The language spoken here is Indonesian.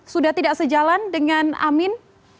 sudah tidak sejalan dengan amin